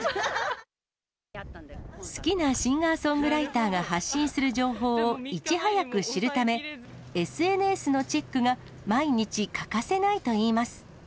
好きなシンガーソングライターが発信する情報をいち早く知るため、ＳＮＳのチェックが毎日、欠かせないといいます。